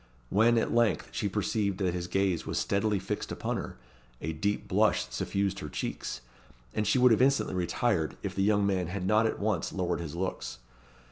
When, at length, she perceived that his gaze was steadily fixed upon her, a deep blush suffused her cheeks, and she would have instantly retired, if the young man had not at once lowered his looks.